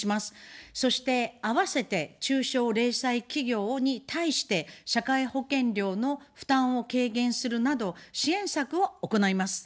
そして、併せて中小零細企業に対して、社会保険料の負担を軽減するなど支援策を行います。